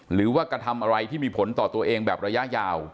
หรือว่ากระทำอะไรที่มีผลต่อตัวเองแบบระยะยาว